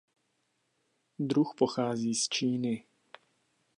Druh pochází z Číny.